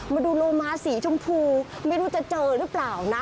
มาดูโลมาสีชมพูไม่รู้จะเจอหรือเปล่านะ